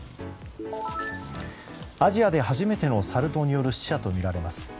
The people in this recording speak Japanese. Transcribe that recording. アジアで初めてのサル痘による死者とみられます。